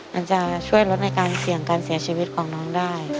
มันจะช่วยลดในการเสี่ยงการเสียชีวิตของน้องได้